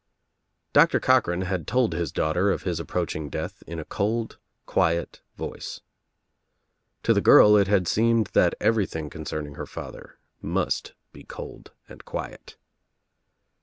Doctor Cochran had told his daughter of his ap proaching death In a cold quiet voice. To the girl it had seemed that everything concerning her father must be cold and quiet.